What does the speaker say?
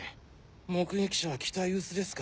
目撃者は期待薄ですか。